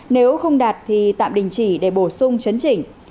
nếu không đạt thì tạm đình chỉ để bổ sung chấn chỉnh